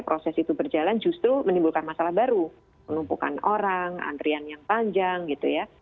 proses itu berjalan justru menimbulkan masalah baru penumpukan orang antrian yang panjang gitu ya